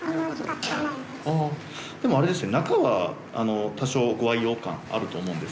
でもあれですね。